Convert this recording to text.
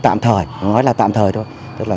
tạm thời nói là tạm thời thôi